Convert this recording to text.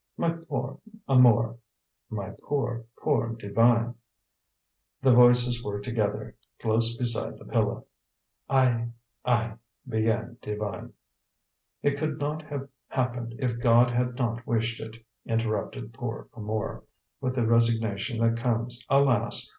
"My poor Amour!" "My poor, poor Divine!" The voices were together, close beside the pillow. "I I " began Divine. "It could not have happened if God had not wished it," interrupted poor Amour, with the resignation that comes, alas!